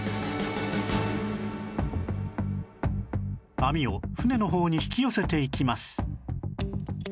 網を船の方に引き寄せていきます